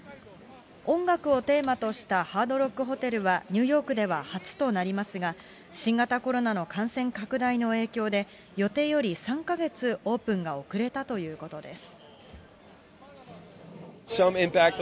音楽をテーマとしたハードロックホテルはニューヨークでは初となりますが、新型コロナの感染拡大の影響で、予定より３か月オープンが遅れたということです。